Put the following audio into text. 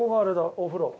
お風呂。